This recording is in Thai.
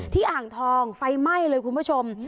อ่างทองไฟไหม้เลยคุณผู้ชม